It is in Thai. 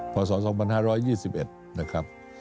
พศ๒๕๒๑นะครับ